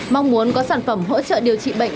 mong muốn có sản phẩm hỗ trợ điều trị bệnh